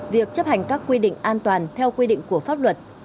việc chấp hành các quy định an toàn theo quy định của pháp luật